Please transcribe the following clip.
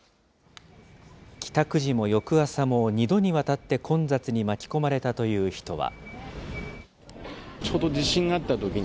帰宅時も翌朝も、２度にわたって混雑に巻き込まれたという人は。